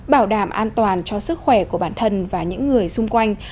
bảo đảm an toàn cho sức khỏe của bản thân và những người xung quanh